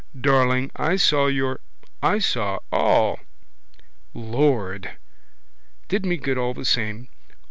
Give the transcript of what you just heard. Darling, I saw, your. I saw all. Lord! Did me good all the same.